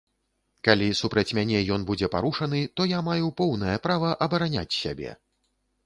Калі супраць мяне ён будзе парушаны, то я маю поўнае права абараняць сябе.